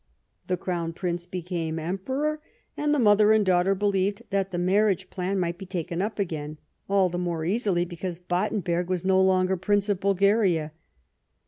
The Crown Prince became Emperor, and the mother and daughter believed that the marriage plan might be taken up again, all the more easily because Battenberg was no longer Prince of Bulgaria.